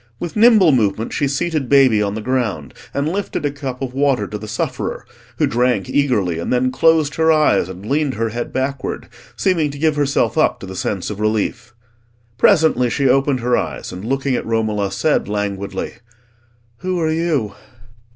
With nimble movement she seated baby on the ground, and lifted a cup of water to the sufferer, who drank eagerly and then closed her eyes and leaned her head backward, seeming to give herself up to the sense of relief. Presently she opened her eyes, and, looking at Romola, said languidly— "Who are you?"